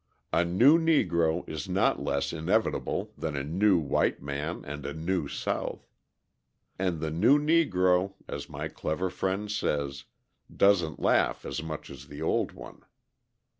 A new Negro is not less inevitable than a new white man and a new South. And the new Negro, as my clever friend says, doesn't laugh as much as the old one.